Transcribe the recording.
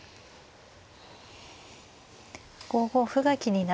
５五歩が気になると。